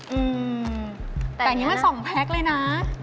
อืมแต่อันนี้มันสองแพ็คเลยนะ